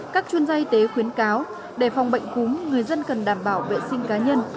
các chuyên gia y tế khuyến cáo để phòng bệnh cúm người dân cần đảm bảo vệ sinh cá nhân